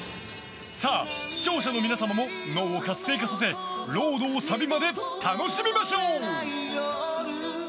さあ、視聴者の皆様も脳を活性化させ「ロード」をサビまで楽しみましょう！